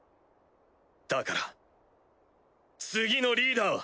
だから次のリーダーは。